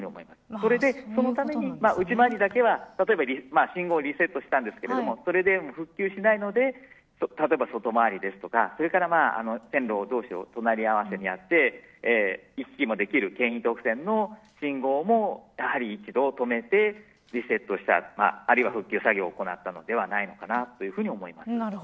それで、そのために内回りだけは例えば信号リセットしたんですがそれで復旧しないので例えば外回りですとかそれから線路同士隣り合わせていて京浜東北線の信号もやはり一度止めて、リセットしたあるいは復旧作業を行ったのではないかというふうに思います。